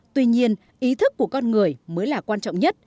tuy nhiên ý thức của con người mới là quan trọng nhất